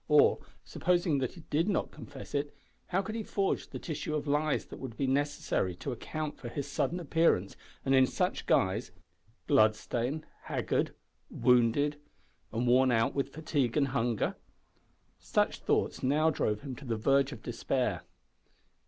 or, supposing that he did not confess it, how could he forge the tissue of lies that would be necessary to account for his sudden appearance, and in such guise bloodstained, wounded, haggard, and worn out with fatigue and hunger? Such thoughts now drove him to the verge of despair.